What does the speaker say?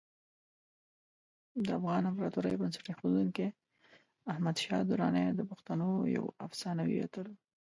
د افغان امپراتورۍ بنسټ ایښودونکی احمدشاه درانی د پښتنو یو افسانوي اتل و.